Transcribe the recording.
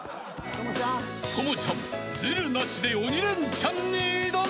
［朋ちゃんずるなしで鬼レンチャンに挑む］